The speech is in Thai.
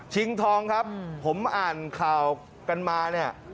ชิงทองครับผมอ่านข่าวกันมา